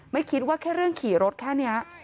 ไม่คิดว่าแค่เรื่องขี่รถแค่นี้